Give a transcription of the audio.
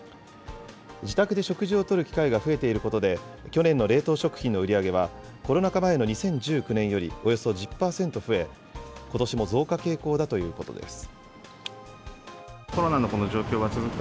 自宅で食事をとる機会が増えていることで、去年の冷凍食品の売り上げは、コロナ禍前の２０１９年よりおよそ１０％増え、ことしも増加傾向だということです。